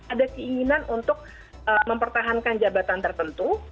ada keinginan untuk mempertahankan jabatan tertentu